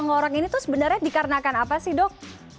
ngorak ini tuh sebenarnya dikarenakan apa sih dok